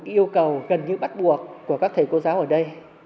yêu cầu gần như bắt buộc của các thầy cô giáo ở đây